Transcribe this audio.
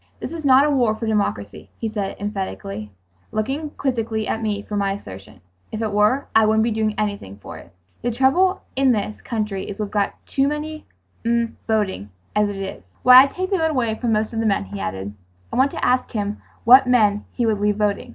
"This is not a war for democracy," he said emphatically, looking quizzically at me for my assertion; "if it were, I wouldn't be doing anything for it …. The trouble in this country is we've got too many mm voting as it is. Why, I'd take the vote away from most of the men," he added. I wanted to ask him what men he would leave voting.